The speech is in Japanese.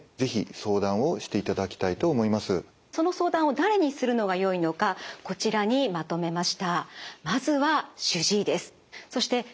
その相談を誰にするのがよいのかこちらにまとめました。